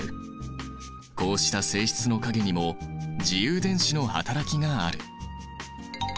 こうした性質の陰にも自由電子の働きがある。